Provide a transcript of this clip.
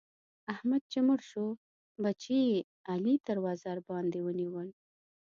احمد چې مړ شو؛ بچي يې علي تر وزر باندې ونيول.